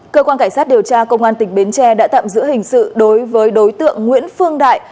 cơ quan cảnh sát điều tra công an tỉnh bến tre đã tạm giữ hình sự đối với đối tượng nguyễn phương đại